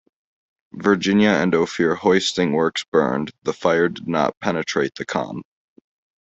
Virginia and Ophir hoisting works burned, the fire did not penetrate the Con.